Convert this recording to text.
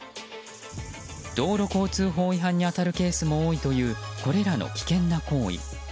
道路交通法違反に当たるケースも多いというこれらの危険な行為。